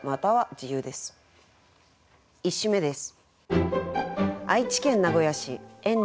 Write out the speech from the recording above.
１首目です。